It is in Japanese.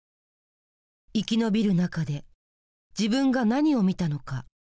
「生き延びる中で自分が何を見たのか」